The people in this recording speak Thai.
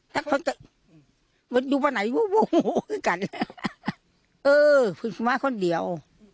จะทองเจอดูบ้านไหนบูววววขึ้นกันนะเออพรุ่งมาคนเดียว